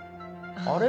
あれ？